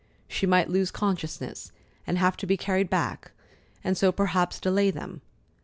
She might lose consciousness and have to be carried back, and so perhaps delay them.